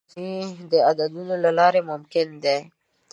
د معلوماتو دقیق تحلیل یوازې د عددونو له لارې ممکن دی.